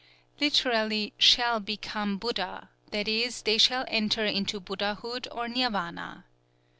_" Literally, "shall become Buddha;" that is, they shall enter into Buddhahood or Nirvana.